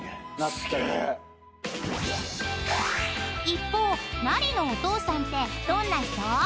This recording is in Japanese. ［一方ナリのお父さんってどんな人？］